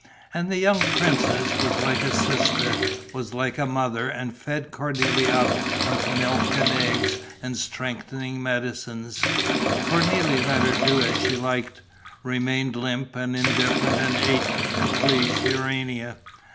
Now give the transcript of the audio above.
And the young princess was like a sister, was like a mother and fed Cornélie up with milk and eggs and strengthening medicines. Cornélie let her do as she liked, remained limp and indifferent and ate to please Urania.